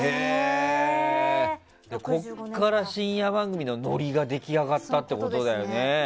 ここから深夜番組のノリが出来上がったんだね。